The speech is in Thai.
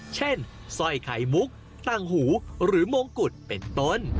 สร้อยไข่มุกตั้งหูหรือมงกุฎเป็นต้น